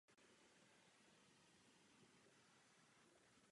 V současnosti se nové kancelářské budovy a kasárna pro mužstvo pomalu znovu staví.